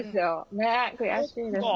ねえ悔しいです。